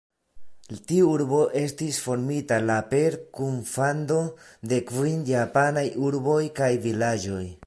Tiu urbo estis formita la per kunfando de kvin japanaj urboj kaj vilaĝoj.